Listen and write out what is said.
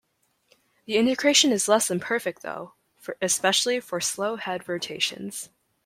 The integration is less than perfect, though, especially for slow head rotations.